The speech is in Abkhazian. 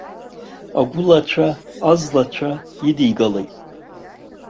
Агәылацәа азлацәа идигалеит.